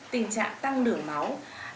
tình trạng tăng đường máu